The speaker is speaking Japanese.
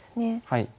はい。